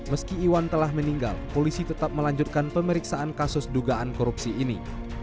meski iwan telah meninggal polisi tetap melanjutkan pemeriksaan kasus dugaan korupsi ini